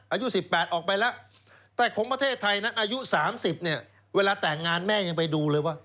อายุ๑๘ออกไปแล้วแต่ของประเทศไทยนั้นอายุ๓๐เนี่ยเวลาแต่งงานแม่ยังไปดูเลยว่า